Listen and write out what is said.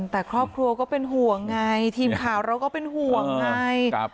แต่ครอบครัวก็เป็นห่วงไงทีมข่าวเราก็เป็นห่วงไง